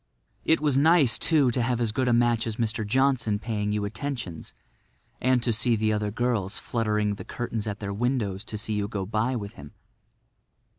It was nice, too, to have as good a match as Mr. Johnson paying you attentions and to see the other girls fluttering the curtains at their windows to see you go by with him.